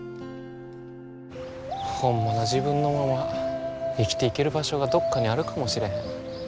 ホンマの自分のまま生きていける場所がどっかにあるかもしれへん。